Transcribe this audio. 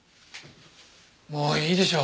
もういいでしょ。